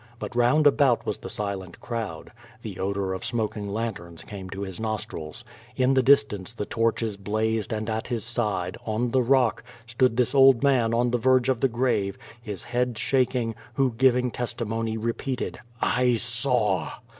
But round about was the silent crowd. The odor of smoking lanterns came to his nostrils. In the distance the torches blazed and at his side, on the rock, stood this old man on the verge of the grave, his head shaking, who, giving testimony, repeated 1 saw."